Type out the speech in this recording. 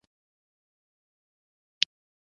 پاچا تل په ملي مسايلو کې پوخ دريځ نه لري.